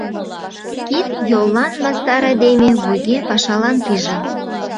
Кид-йоллан мастар айдеме вуйге пашалан пижын.